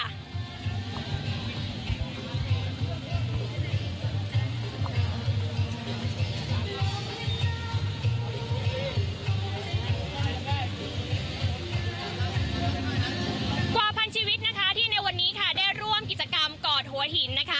กวาพันธุ์ชีวิตที่ในวันนี้ได้ร่วมกิจกรรมกอดหัวหิน